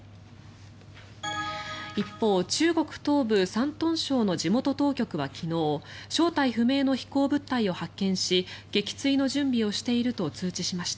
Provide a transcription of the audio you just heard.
一方、中国東部・山東省の地元当局は昨日正体不明の飛行物体を発見し撃墜の準備をしていると通知しました。